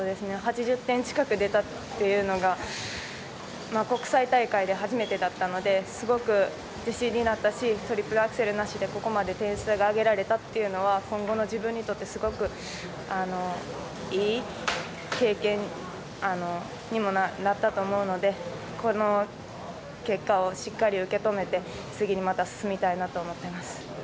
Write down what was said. ８０点近く出たというのが国際大会で初めてだったのですごく自信になったしトリプルアクセルなしでここまで点数が上げられたというのは今後の自分にとってすごくいい経験にもなったと思うのでこの結果をしっかり受け止めて次、また進みたいなと思ってます。